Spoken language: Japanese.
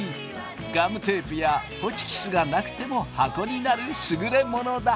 ガムテープやホチキスがなくても箱になる優れものだ。